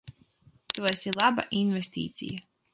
Tu esi laba investīcija.